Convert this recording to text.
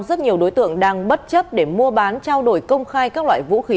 rất nhiều đối tượng đang bất chấp để mua bán trao đổi công khai các loại vũ khí